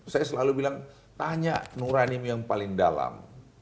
saya selalu bilang tanya nuranimu yang paling dalam